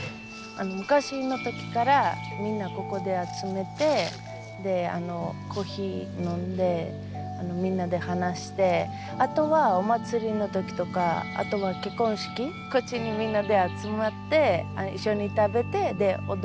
昔の時からみんなここで集めてコーヒー飲んでみんなで話してあとはお祭りの時とかあとは結婚式こっちにみんなで集まって一緒に食べて踊ること。